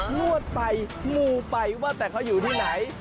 นวดไปมูไปว่าแต่เขาอยู่ที่ไหน